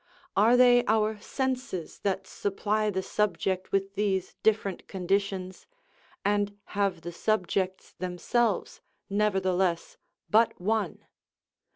Are they our senses that supply the subject with these different conditions, and have the subjects themselves, nevertheless, but one?